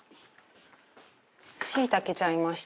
しいたけちゃんいました。